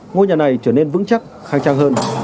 ngôi nhà này trở nên vững chắc khang trang hơn